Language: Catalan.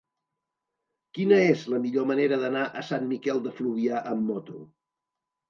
Quina és la millor manera d'anar a Sant Miquel de Fluvià amb moto?